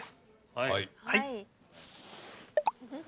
はい。